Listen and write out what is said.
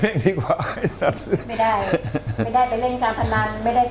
แล้วก็ไอ้ขี้ข้างบ้านเราเนี่ยถึงทุ่งนา